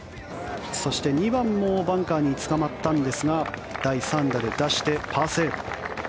そして、２番もバンカーにつかまったんですが第３打で出してパーセーブ。